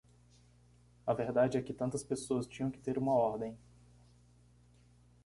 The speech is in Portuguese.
A verdade é que tantas pessoas tinham que ter uma ordem.